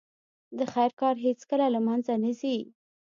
د خیر کار هیڅکله له منځه نه ځي.